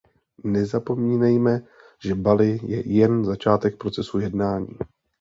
Nezapomínejme, že Bali je jen začátek procesu jednání.